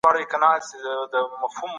دولت د سازمانونو د تنظیم وړتیا لري.